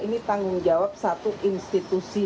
ini tanggung jawab satu institusi